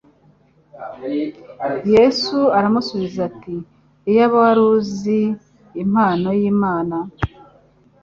Yesu aramusubiza ati, “Iyaba wari uzi impano y’Imana,